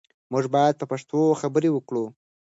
موږ باید په پښتو خبرې وکړو.